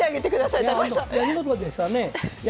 いや見事でしたね。